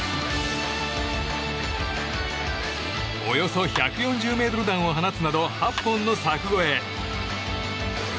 およそ１４０ｍ弾を放つなど８本の柵越え。